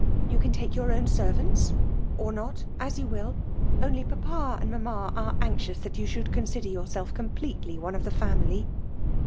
You can fake your own servants or not, as you will ; Doady papa and mamma are anxious that you jshould consider yourself completely one of the family.